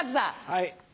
はい。